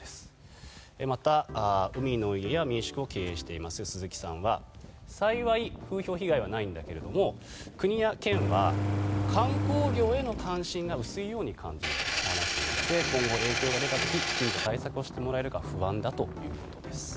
また、海の家や民宿を経営している鈴木さんは幸い風評被害はないんだけども国や県は観光業への関心が薄いように感じるとお話ししていまして今後、影響が出た時に対策してもらえるのか不安だということです。